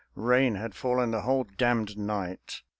Rain had fallen the whole damned night.